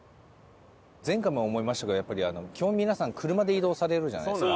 前回も思いましたけどやっぱり基本皆さん車で移動されるじゃないですか。